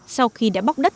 sau khi đã bóc đất